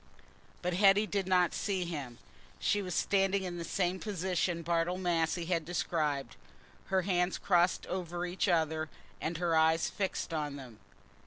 But Hetty did not see him. She was standing in the same position Bartle Massey had described, her hands crossed over each other and her eyes fixed on them.